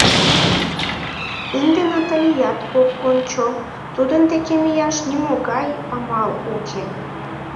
Ынде Наталият ок кончо, тудын деке мияш нимогай амал уке.